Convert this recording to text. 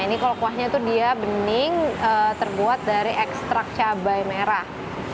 ini kalau kuahnya itu dia bening terbuat dari ekstrak cabai merah